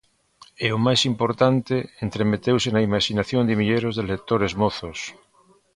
E o máis importante, entremeteuse na imaxinación de milleiros de lectores mozos.